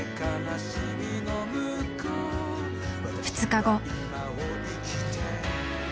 ２日後。